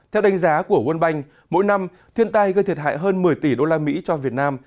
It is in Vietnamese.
theo đánh giá của world bank mỗi năm thiên tai gây thiệt hại hơn một mươi tỷ usd cho việt nam